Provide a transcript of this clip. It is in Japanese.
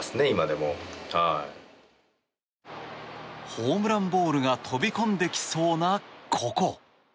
ホームランボールが飛び込んできそうな、ここ。